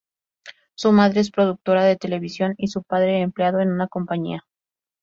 Su madre es productora de televisión y su padre empleado en una compañía.